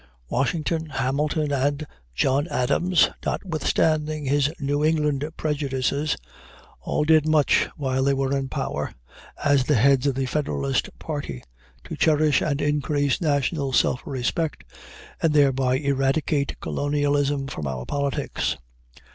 Washington, Hamilton, and John Adams, notwithstanding his New England prejudices, all did much while they were in power, as the heads of the Federalist party, to cherish and increase national self respect, and thereby eradicate colonialism from our politics.